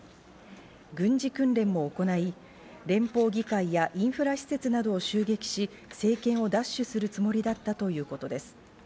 軍事訓練も行い、連邦議会やインフラ施設などを襲撃し、政権を奪取するつもりだったということです。